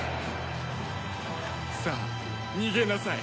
さあ逃げなさい。